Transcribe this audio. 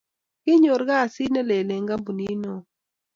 kinyor kasit ne lee eng kampunit neo